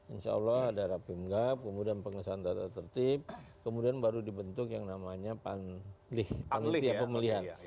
insya allah ada rapim gap kemudian pengesahan tata tertib kemudian baru dibentuk yang namanya panitia pemilihan